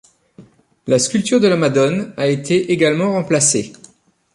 La sculpture de la Madone a été également remplacée.